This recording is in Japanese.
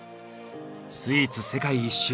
スイーツ世界一周。